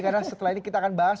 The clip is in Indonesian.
karena setelah ini kita akan bahas